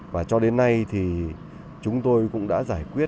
và cho đến nay thì chúng tôi cũng đã giải quyết